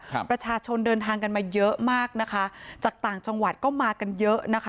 ประชาชนเดินทางกันมาเยอะมากนะคะจากต่างจังหวัดก็มากันเยอะนะคะ